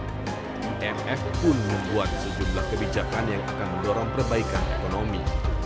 imf pun membuat sejumlah kebijakan yang akan mendorong perbaikan ekonomi